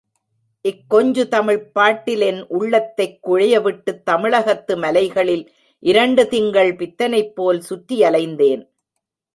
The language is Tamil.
இக்கொஞ்சு தமிழ்ப் பாட்டில் என் உள்ளத்தைக் குழையவிட்டு, தமிழகத்து மலைகளில் இரண்டு திங்கள் பித்தனைப்போல் சுற்றியலைந்தேன்.